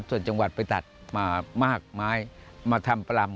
ส่วนจังหวัดไปตัดมากไม้มาทำประลำ